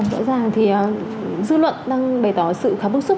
rõ ràng thì dư luận đang bày tỏ sự khá bức xúc